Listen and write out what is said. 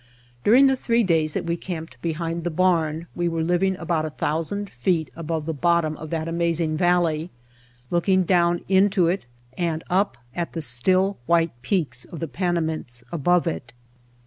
During the three days that we camped behind the barn we were living about a thousand feet above the bottom of that amazing valley, look ing down into it and up at the still, white peaks of the Panamints above it.